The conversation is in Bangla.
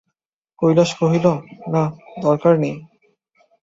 কৈলাস কহিল, না, দরকার নেই।